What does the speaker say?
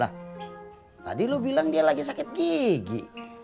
lah tadi lu bilang dia lagi sakit gigi